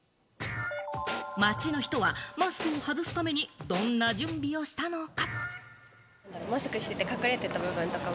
街の人はマスクを外すためにどんな準備をしたのか。